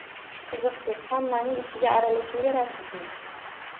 Qiziqsiz, hammaning ishiga aralashaverasizmi?